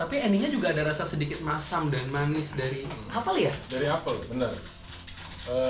tapi endingnya juga ada sedikit rasa masam dan manis dari apel ya